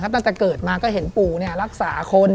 ตั้งแต่เกิดมาก็เห็นปู่รักษาคน